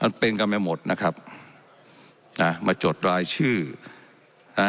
มันเป็นกันไปหมดนะครับนะมาจดรายชื่ออ่า